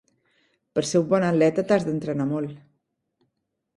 Per ser un bon atleta t'has d'entrenar molt.